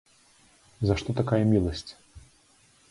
За што такая міласць?